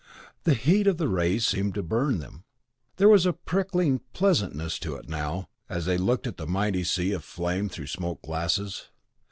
The heat of the rays seemed to burn them; there was a prickling pleasantness to it now, as they looked at the mighty sea of flame through smoked glasses.